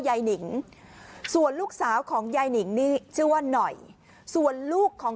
หนิงส่วนลูกสาวของยายหนิงนี่ชื่อว่าหน่อยส่วนลูกของ